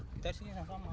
kita di sini sama sama